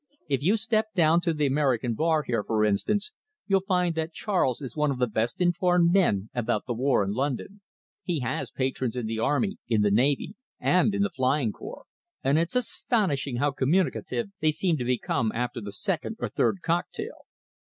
If you step down to the American bar here, for instance, you'll find that Charles is one of the best informed men about the war in London. He has patrons in the Army, in the Navy, and in the Flying Corps, and it's astonishing how communicative they seem to become after the second or third cocktail."